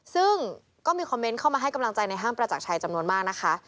ซึ่งก็มีคอมเมนต์เข้ามาให้กำลังใจในห้างประจักรชัยจำนวนมากนะคะ